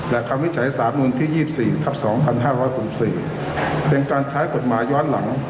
และคำวิจัยสามนุนที่๒๔ทับ๒๕๖๔เป็นการใช้กฎหมายย้อนหลัง